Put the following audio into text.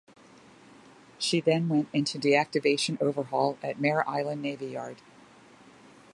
She then went into deactivation overhaul at Mare Island Navy Yard.